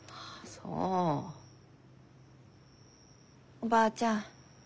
おばあちゃん